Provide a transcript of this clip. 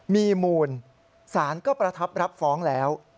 มีมูลสารก็ประทับรับฟ้องแล้ว